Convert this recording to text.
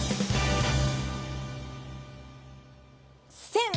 せん！